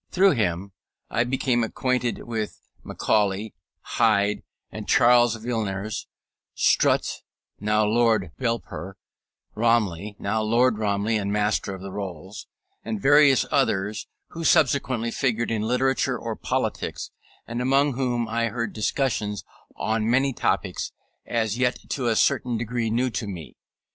Through him I became acquainted with Macaulay, Hyde and Charles Villiers, Strutt (now Lord Belper), Romilly (now Lord Romilly and Master of the Rolls), and various others who subsequently figured in literature or politics, and among whom I heard discussions on many topics, as yet to a certain degree new to me.